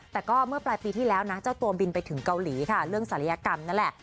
แต่ก็เมื่อปลายปีที่แล้วนะเจ้าตัวบินไปถึงเกาหลีค่ะเรื่องศัลยกรรมนั่นแหละ